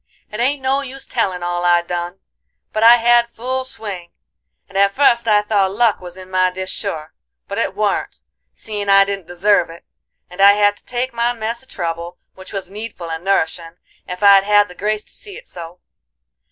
"It ain't no use tellin' all I done, but I had full swing, and at fust I thought luck was in my dish sure. But it warn't, seein' I didn't deserve it, and I had to take my mess of trouble, which was needful and nourishin', ef I'd had the grace to see it so.